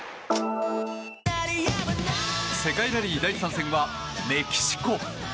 世界ラリー第３戦はメキシコ。